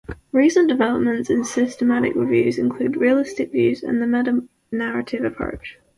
Recent developments in systematic reviews include realist reviews, and the meta-narrative approach.